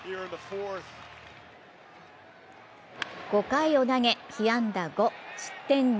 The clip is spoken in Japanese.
５回を投げ被安打５、失点２。